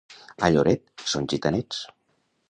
A Lloret són gitanets.